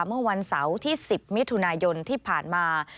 เมื่อวันเสาร์ที่๑๐มิถุนายนที่ผ่านมา